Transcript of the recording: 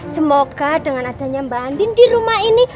semoga dengan adanya mbak andin di rumah ini